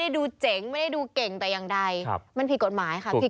ได้ดูเจ๋งไม่ได้ดูเก่งแต่ยังใดครับมันผิดกฎหมายค่ะผิด